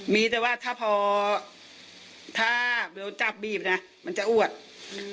มีแต่ว่าถ้าพอถ้าเบลจับบีบเนี้ยมันจะอวดอืม